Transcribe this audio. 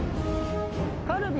カルビ。